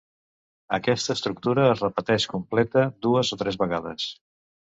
Aquesta estructura es repeteix completa dues o tres vegades.